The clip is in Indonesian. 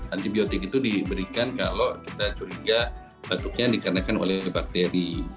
antibiotik itu diberikan kalau kita curiga batuknya dikarenakan oleh bakteri